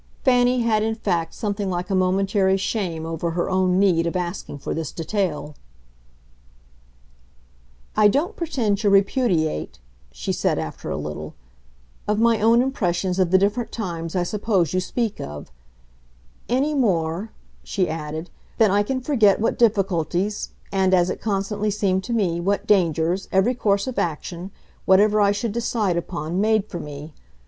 Fanny had in fact something like a momentary shame over her own need of asking for this detail. "I don't pretend to repudiate," she said after a little, "my own impressions of the different times I suppose you speak of; any more," she added, "than I can forget what difficulties and, as it constantly seemed to me, what dangers, every course of action whatever I should decide upon made for me.